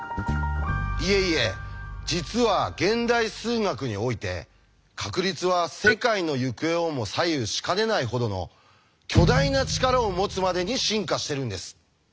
いえいえ実は現代数学において確率は世界の行方をも左右しかねないほどの巨大なチカラを持つまでに進化してるんです。